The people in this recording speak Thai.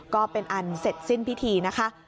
ก็เป็นอันเสร็จสิ้นพิธีนะคะ